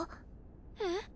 えっ？